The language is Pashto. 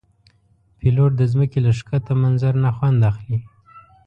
پیلوټ د ځمکې له ښکته منظر نه خوند اخلي.